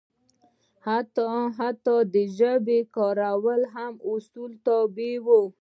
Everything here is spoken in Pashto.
حتی د ژبې کارول هم د اصولو تابع وو.